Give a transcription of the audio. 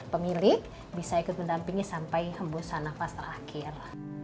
pemilik bisa ikut mendampingi sampai hembusan nafas terakhir